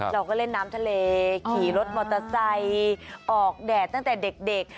เราก็เล่นน้ำทะเลขี่รถมอเตอร์ไซค์ออกแดดตั้งแต่เด็ก